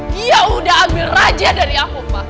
dia udah ambil raja dari aku mbak